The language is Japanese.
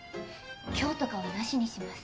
凶とかは無しにします。